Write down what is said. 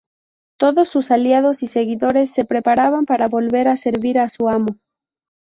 Todos sus aliados y seguidores se preparaban para volver a servir a su amo.